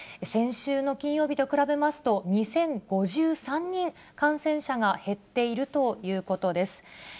先週の金曜日と比べますと、２０５３人、感染者が減っているということです。